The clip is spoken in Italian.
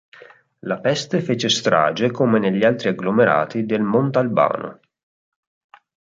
La peste fece strage come negli altri agglomerati del Montalbano.